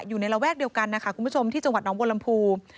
อยู่ในระแวกเดียวกันนะคะคุณผู้ชมที่จังหวัดน้องบนลำพู